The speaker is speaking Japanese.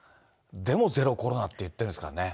でもゼロコロナっていってるんですからね。